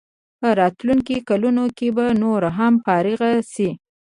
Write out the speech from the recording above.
په راتلونکو کلونو کې به نور هم فارغ شي.